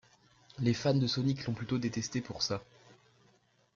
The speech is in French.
Les fans de Sonic l'ont plutôt détesté pour ça.